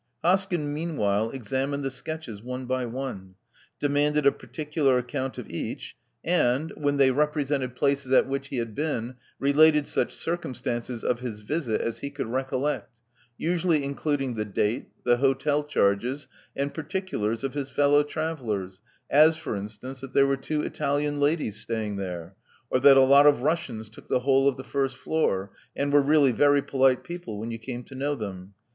Hoskyn meanwhile examined the sketches one by one; demanded a particular account of each ; and, Love Among the Artists 281 when they represented places at which he had been, related such circumstances of his visit as he could recollect, usually including the date, the hotel charges, and particulars of his fellow travellers; as, for instance, that there were two Italian ladies staying there ; or that a lot of Russians took the whole of the first floor, and were really very polite people when you came to know them.